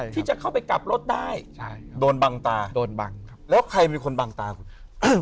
ที่จะเข้าไปกลับรถได้โดนบังตาแล้วใครมีคนบังตาคุณ